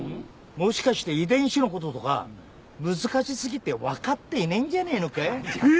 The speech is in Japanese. もしかして遺伝子の事とか難しすぎてわかっていねえんじゃねえのか？